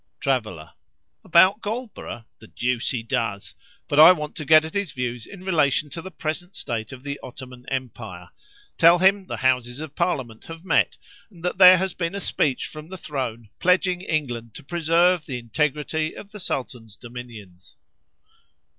Traveller.—About Goldborough? The deuce he does!—but I want to get at his views in relation to the present state of the Ottoman Empire. Tell him the Houses of Parliament have met, and that there has been a speech from the throne, pledging England to preserve the integrity of the Sultan's dominions.